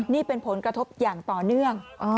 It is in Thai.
นี่เป็นผลกระทบอย่างต่อเนื่อง